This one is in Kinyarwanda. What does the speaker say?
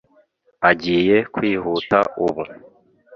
agiye kwihuta ubu.